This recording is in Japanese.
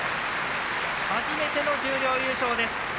初めての十両優勝です。